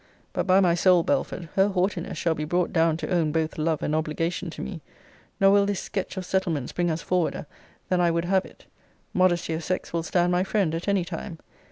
But, by my soul, Belford, her haughtiness shall be brought down to own both love and obligation to me. Nor will this sketch of settlements bring us forwarder than I would have it. Modesty of sex will stand my friend at any time.